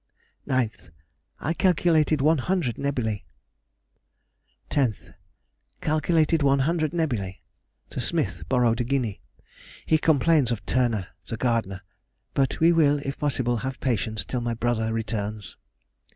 9th.—I calculated 100 nebulæ.... 10th.—Calculated 100 nebulæ. The smith borrowed a guinea. He complains of Turner (the gardener), but we will, if possible, have patience till my brother returns.